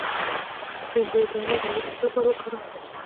د پنبې دانه غوړي د څه لپاره وکاروم؟